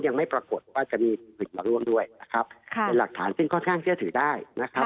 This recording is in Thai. ยังไม่ปรากฏว่าจะมีสิ่งผิดมาร่วมด้วยเป็นหลักฐานซึ่งค่อนข้างเชื่อถือได้